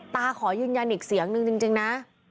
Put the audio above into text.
ขอยืนยันอีกเสียงนึงจริงนะ